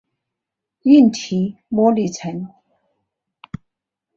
硬体模拟层。